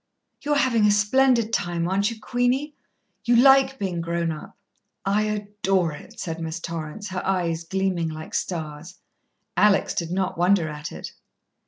"You're having a splendid time, aren't you, Queenie? You like being grown up?" "I adore it," said Miss Torrance, her eyes gleaming like stars. Alex did not wonder at it.